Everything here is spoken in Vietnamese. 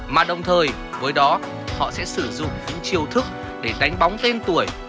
mà đồng thời với đó họ sẽ sử dụng những chiêu thức để đánh bóng tên tuổi